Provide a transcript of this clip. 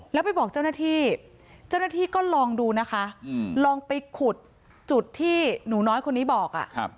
แล้วไปบอกเจ้าหน้าที่เจ้าหน้าที่ก็ลองดูนะคะลองไปขุดจุดที่หนูน้อยคนนี้บอก